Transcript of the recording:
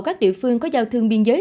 các địa phương có giao thương biên giới